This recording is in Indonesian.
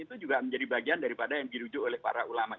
itu juga menjadi bagian daripada yang dirujuk oleh para ulama